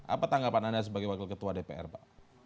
apa tanggapan anda sebagai wakil ketua dpr pak